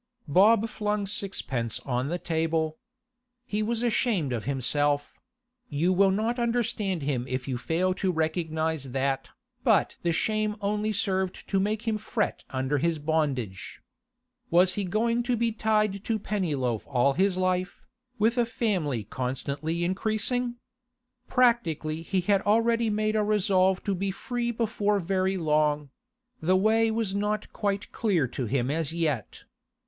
Bob flung sixpence on the table. He was ashamed of himself—you will not understand him if you fail to recognise that—but the shame only served to make him fret under his bondage. Was he going to be tied to Pennyloaf all his life, with a family constantly increasing? Practically he had already made a resolve to be free before very long; the way was not quite clear to him as yet.